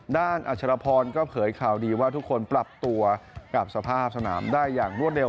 อัชรพรก็เผยข่าวดีว่าทุกคนปรับตัวกับสภาพสนามได้อย่างรวดเร็